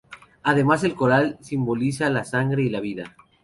Además, el coral simboliza la sangre y la vida.